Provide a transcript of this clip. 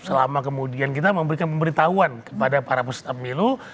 selama kemudian kita memberikan pemberitahuan kepada para peserta pemilu